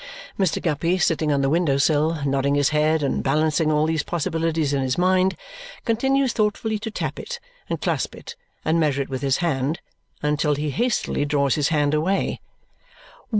Mr. Guppy sitting on the window sill, nodding his head and balancing all these possibilities in his mind, continues thoughtfully to tap it, and clasp it, and measure it with his hand, until he hastily draws his hand away.